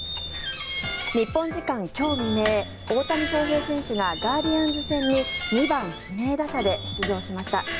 日本時間今日未明大谷翔平選手がガーディアンズ戦に２番指名打者で出場しました。